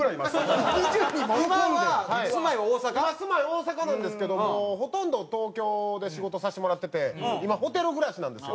今住まい大阪なんですけどもうほとんど東京で仕事させてもらってて今ホテル暮らしなんですよ。